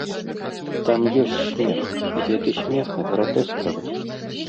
Там ёсць смех, і гэты смех гратэскавы.